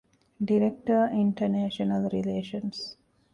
ޑިރެކްޓަރ، އިންޓަރނޭޝަނަލް ރިލޭޝަންސް